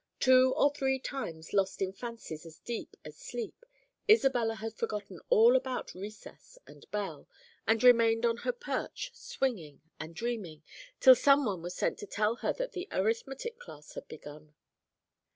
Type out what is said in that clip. Two or three times lost in fancies as deep as sleep, Isabella had forgotten all about recess and bell, and remained on her perch, swinging and dreaming, till some one was sent to tell her that the arithmetic class had begun.